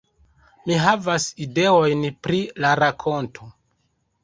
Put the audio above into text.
Mi havas ideojn pri la rakonto